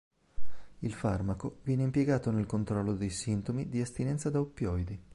Il farmaco viene impiegato nel controllo dei sintomi di astinenza da oppioidi.